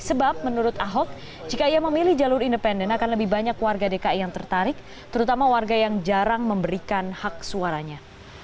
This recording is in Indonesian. sebab menurut ahok jika ia memilih jalur independen akan lebih banyak warga dki yang tertarik terutama warga yang jarang memberikan hak suaranya